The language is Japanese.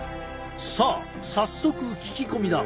さあ早速聞き込みだ。